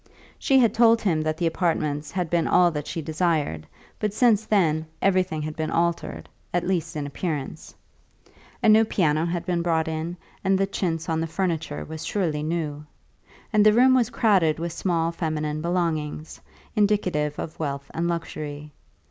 She had told him that the apartments had been all that she desired; but since then everything had been altered, at least in appearance. A new piano had been brought in, and the chintz on the furniture was surely new. And the room was crowded with small feminine belongings, indicative of wealth and luxury.